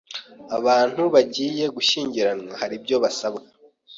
abantu bagiye gushyingiranwa haribyo basabwa